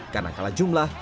karena kalah jumlah